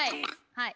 はい！